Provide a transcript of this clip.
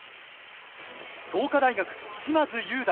創価大学・嶋津雄大。